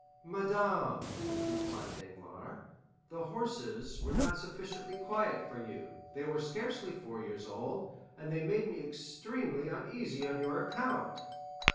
"Madame," replied Danglars, "the horses were not sufficiently quiet for you; they were scarcely four years old, and they made me extremely uneasy on your account."